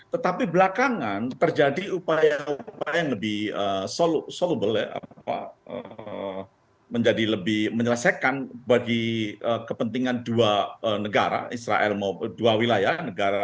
tetapi belakangan terjadi upaya upaya yang lebih solabel menjadi lebih menyelesaikan bagi kepentingan dua negara israel maupun dua wilayah